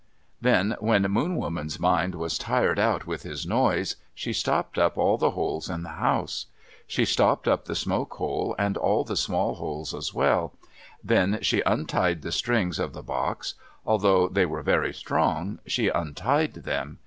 Then, when Moon Woman's mind was tired out with his noise, she stopped up all the holes in the house. She stopped up the smoke hole, and all the small holes as well. Then she untied the strings of the box. Although they were very strong, she untied them.